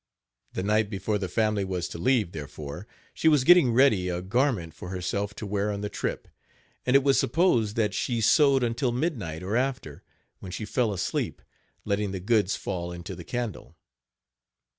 The night before the family was to leave, therefore, she was getting ready a garment for herself to wear on the trip; and it was supposed that she sewed until midnight, or after, when she fell asleep, letting the goods fall into the candle.